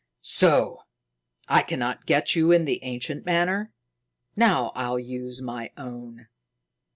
"So! I cannot get you in the ancient manner. Now I'll use my own."